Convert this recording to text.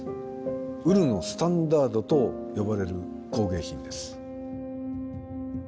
「ウルのスタンダード」と呼ばれる工芸品です。